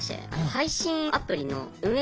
配信アプリの運営